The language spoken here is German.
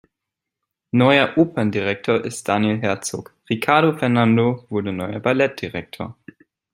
Neuer Operndirektor ist Daniel Herzog, Ricardo Fernando wurde neuer Ballettdirektor.